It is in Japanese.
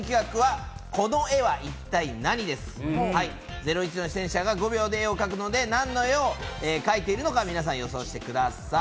『ゼロイチ』の出演者が５秒で絵を描くので何の絵を描いているのか予想してください。